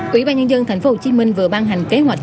ủy ban nhân dân tp hcm vừa ban hành kế hoạch